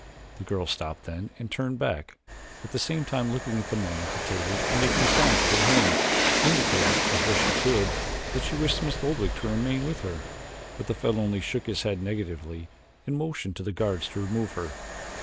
The girl stopped then and turned back, at the same time looking at the man at the table and making signs with her hands, indicating, as best she could, that she wished Smith Oldwick to remain with her, but the fellow only shook his head negatively and motioned to the guards to remove her.